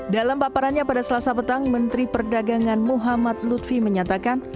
dalam paparannya pada selasa petang menteri perdagangan muhammad lutfi menyatakan